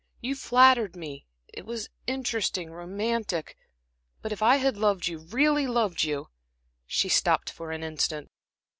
You flattered me; it was interesting, romantic. But if I had loved you, really loved you" she stopped for an instant.